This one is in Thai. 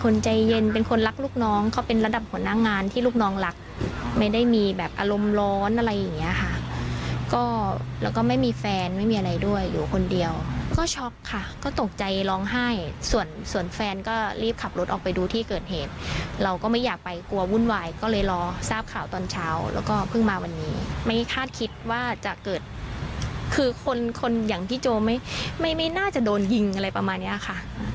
แล้วก็เพิ่งมาวันนี้ไม่คาดคิดว่าจะเกิดคือคนอย่างพี่โจไม่น่าจะโดนยิงอะไรประมาณนี้ค่ะ